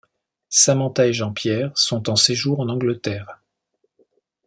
Samantha et Jean-Pierre sont en séjour en Angleterre.